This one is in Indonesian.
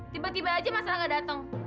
tiba tiba aja mas serangga dateng